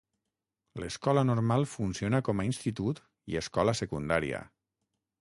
L'Escola Normal funciona com a institut i escola secundària.